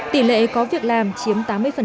tỷ lệ có việc làm chiếm tám mươi